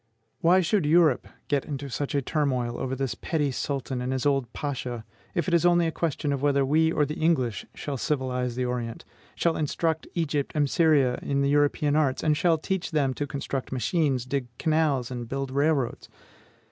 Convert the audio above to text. Why should Europe get into such a turmoil over this petty Sultan and his old Pasha, if it is only a question whether we or the English shall civilize the Orient, shall instruct Egypt and Syria in the European arts, and shall teach them to construct machines, dig canals, and build railroads?